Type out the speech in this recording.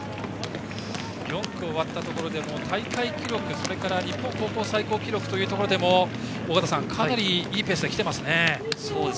４区を終わったところで大会記録、日本高校最高記録というところでもかなりいいペースできていますね。